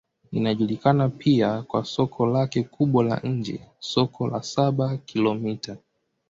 Inajulikana pia kwa soko lake kubwa la nje, Soko la Saba-Kilomita.